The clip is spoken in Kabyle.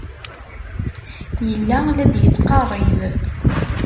Yella la d-yettqerrib.